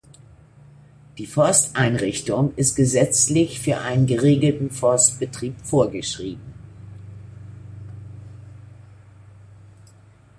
Die Forsteinrichtung ist gesetzlich für einen geregelten Forstbetrieb vorgeschrieben.